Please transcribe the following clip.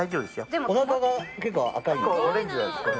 おなかが赤いんですよ。